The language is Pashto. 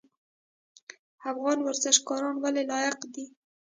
افغان ورزشکاران ولې لایق دي؟